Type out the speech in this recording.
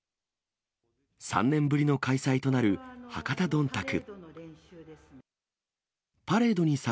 ３年ぶりの開催となる博多どんたく。